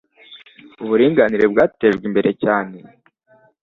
Uburinganire bwatejwe imbere cyane